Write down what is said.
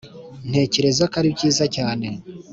ntekereza ko ari byiza cyane.